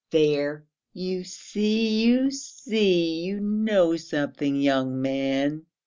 "There, you see, you see! You know something, young man?"